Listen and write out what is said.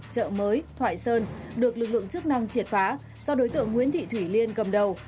chợ mới thoại sơn được lực lượng chức năng triệt phá do đối tượng nguyễn thị thủy liên cầm đầu